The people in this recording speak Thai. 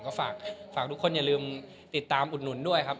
ก็ฝากทุกคนอย่าลืมติดตามอุดหนุนด้วยครับ